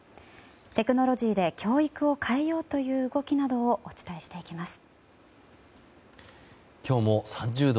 テクノロジーで教育を変えようという動きなどをお伝えしていきます。